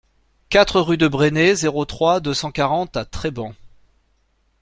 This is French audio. quatre rue de Bresnay, zéro trois, deux cent quarante à Treban